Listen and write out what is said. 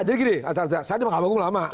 jadi gini saya di makamanggung lama